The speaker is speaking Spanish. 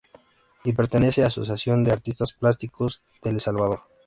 Y pertenece a Asociación de Artistas Plásticos de El Salvador.